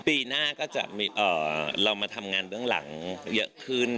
ปีหน้าก็จะเรามาทำงานเบื้องหลังเยอะขึ้น